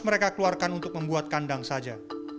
mereka keluarkan untuk membuat kandang saja